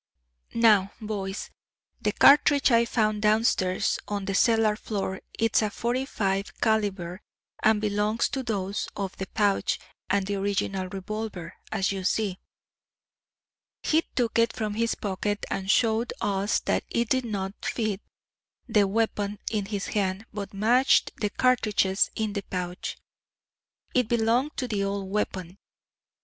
"Now, boys, the cartridge I found downstairs on the cellar floor is a 45 calibre and belongs to those of the pouch and the original revolver, as you see." He took it from his pocket and showed us that it did not fit the weapon in his hand but matched the cartridges in the pouch. It belonged to the old weapon.